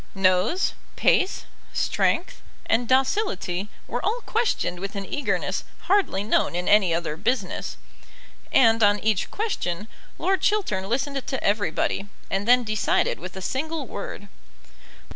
Nose, pace, strength, and docility were all questioned with an eagerness hardly known in any other business; and on each question Lord Chiltern listened to everybody, and then decided with a single word.